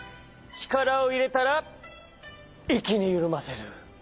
ちからをいれたらいっきにゆるませる。